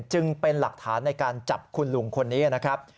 จึงเป็นหลักฐานในการจับคุณลุงคนนี้นะครับ